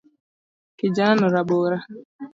Kijanano rabora.